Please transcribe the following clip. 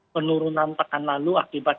penurunan tekan lalu akibat